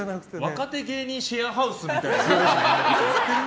若手芸人シェアハウスみたいですね。